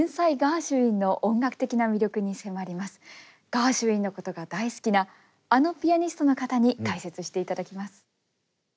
ガーシュウィンのことが大好きなあのピアニストの方に解説していただきます。